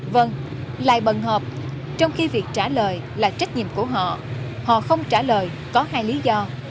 vâng lại bần hợp trong khi việc trả lời là trách nhiệm của họ họ không trả lời có hai lý do